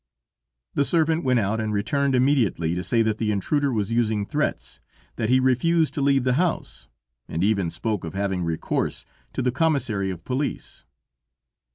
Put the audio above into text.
The servant went out and returned immediately to say that the intruder was using threats, that he refused to leave the house, and even spoke of having recourse to the commissary of police.